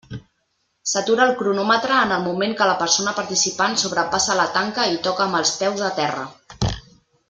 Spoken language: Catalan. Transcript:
S'atura el cronòmetre en el moment que la persona participant sobrepassa la tanca i toca amb els peus a terra.